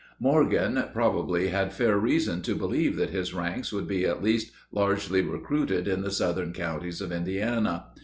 Morgan probably had fair reason to believe that his ranks would be at least largely recruited in the southern counties of Indiana.